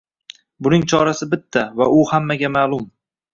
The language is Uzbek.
Buning chorasi bitta va u hammaga ma’lum.